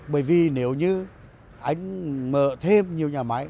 bởi vì nếu như anh mở thêm nhiều nhà máy